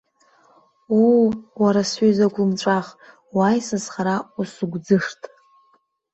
Уу, уара сҩыза гәлымҵәах, уааи сызхара узыгәӡышт.